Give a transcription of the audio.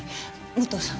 武藤さん。